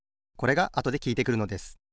これがあとできいてくるのです。